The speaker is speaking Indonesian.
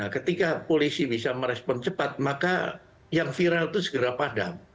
ketika polisi bisa merespon cepat maka yang viral itu segera padam